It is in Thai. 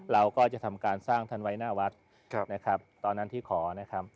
เราก็จะทำการสร้างท่านไว้หน้าวัดนะครับตอนนั้นที่ขอนะครับ